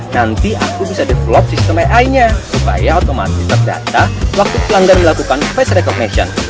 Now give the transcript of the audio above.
nanti aku bisa develop sistem ai nya supaya otomatis terdata waktu pelanggan dilakukan face recognition